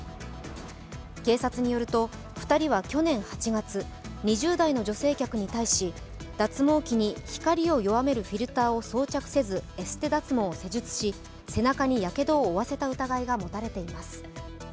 警察によると２人は去年８月、２０代の女性客に対し、脱毛器に光を弱めるフィルターを装着せずエステ脱毛を施術し、背中にやけどを負わせた疑いが持たれています。